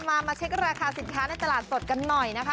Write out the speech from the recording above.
มาเช็คราคาสินค้าในตลาดสดกันหน่อยนะคะ